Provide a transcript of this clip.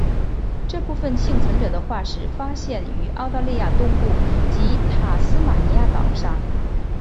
这部分幸存者的化石发现于澳大利亚东部及塔斯马尼亚岛上。